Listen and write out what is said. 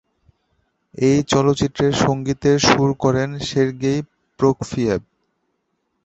এই চলচ্চিত্রের সঙ্গীতের সুর করেন সের্গেই প্রকফিয়েভ।